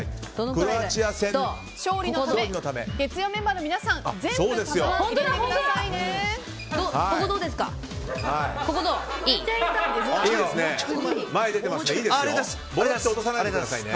クロアチア戦勝利のため月曜メンバーの皆さん全部玉、入れてくださいね！